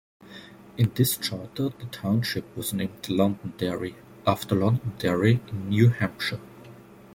In this charter the township was named Londonderry after Londonderry in New Hampshire.